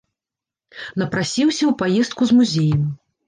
Напрасіўся ў паездку з музеем.